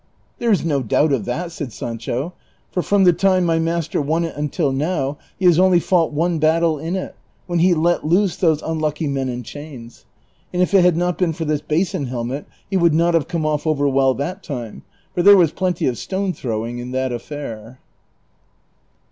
" There is no doubt of that," said Sancho, " for from the time my master won it luitil now he has only fought one battle in it, when he let loose those unlucky men in chains ; and if it had not been for this basin helmet he would not have come off over Avell that time, for there was plenty of stone throwing in that affair."